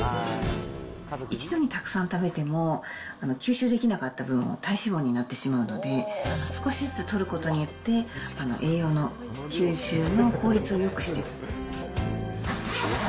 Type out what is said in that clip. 一度にたくさん食べても吸収できなかった分は体脂肪になってしまうので、少しずつとることによって、栄養の吸収の効率をよくしてる。